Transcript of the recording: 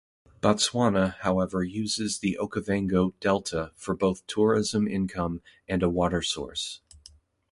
Botswana, however uses the Okavango Delta for both tourism income and a water source.